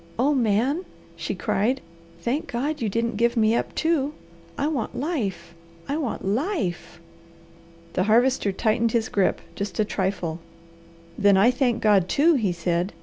"Oh Man!" she cried. "Thank God you didn't give me up, too! I want life! I want LIFE!" The Harvester tightened his grip just a trifle. "Then I thank God, too," he said.